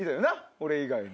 俺以外に。